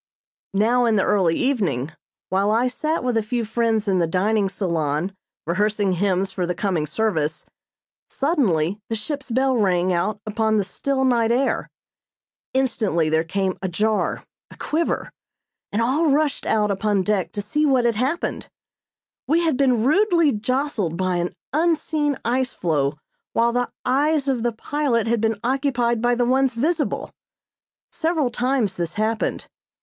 Now in the early evening, while I sat with a few friends in the dining salon rehearsing hymns for the coming service, suddenly the ship's bell rang out upon the still night air. Instantly there came a jar, a quiver, and all rushed out upon deck to see what had happened. We had been rudely jostled by an unseen ice floe while the eyes of the pilot had been occupied by the ones visible. Several times this happened.